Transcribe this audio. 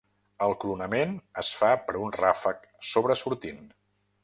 El coronament es fa per un ràfec sobresortint.